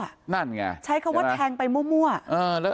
ใช้คำว่าแทงไปมั่ว